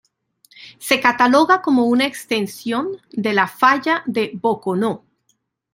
Se cataloga como una extensión de la Falla de Boconó.